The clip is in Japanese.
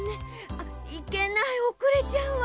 あいけないおくれちゃうわ。